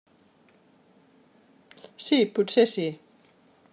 Sí, potser sí.